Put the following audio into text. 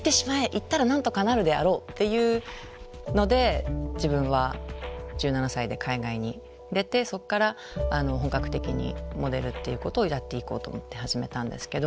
行ったらなんとかなるであろうっていうので自分は１７歳で海外に出てそこから本格的にモデルっていうことをやっていこうと思って始めたんですけど。